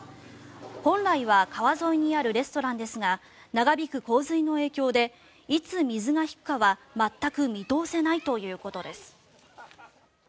本来は川沿いにあるレストランですが長引く洪水の影響でいつ水が引くかは全く見通せないということです。